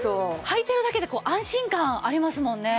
はいてるだけでこう安心感ありますもんね。